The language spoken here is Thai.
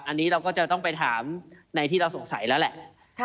อันนี้เราก็จะต้องไปถามในที่เราสงสัยแล้วแหละ